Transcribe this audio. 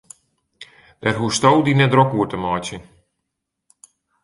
Dêr hoechsto dy net drok oer te meitsjen.